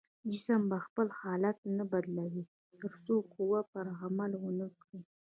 جسم به خپل حالت نه بدلوي تر څو قوه پرې عمل ونه کړي.